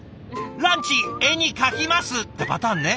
「ランチ絵に描きます」ってパターンね。